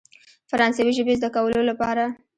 فرانسوي ژبې زده کولو لپاره.